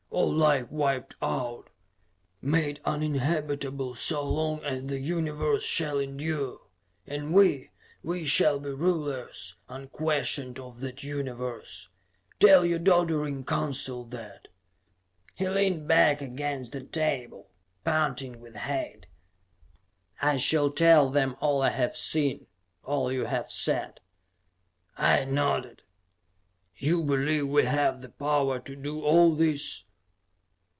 All life wiped out; made uninhabitable so long as the Universe shall endure. And we we shall be rulers, unquestioned, of that Universe. Tell your doddering Council that!" He leaned back against the table, panting with hate. "I shall tell them all I have seen; all you have said," I nodded. "You believe we have the power to do all this?"